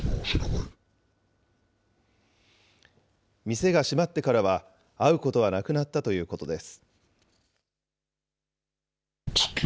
店が閉まってからは、会うことはなくなったということです。